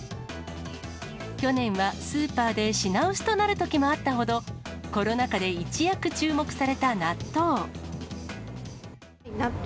去年はスーパーで品薄となるときもあったほど、コロナ禍で一躍注目された納豆。